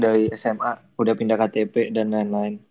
dari sma sudah pindah ktp dan lain lain